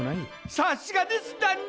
さすがです旦那！